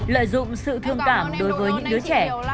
lợi dụng sự thương cảm đối với những đứa trẻ